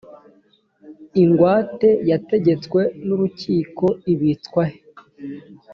ingwate yategetswe n’urukiko ibitswa he?